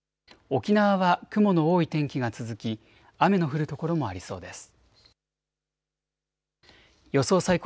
沖縄は雲の多い天気が続き雨の降る所もありそうです。